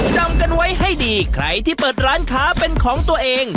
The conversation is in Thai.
จำกันไว้ให้ดีใครที่เปิดร้านค้าเป็นของตัวเอง